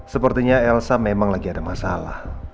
sepertinya elsa memang lagi ada masalah